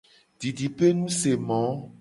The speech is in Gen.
Didipenusemo.